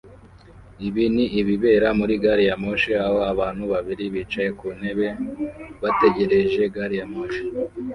Ibi ni ibibera muri gari ya moshi aho abantu babiri bicaye ku ntebe bategereje gari ya moshi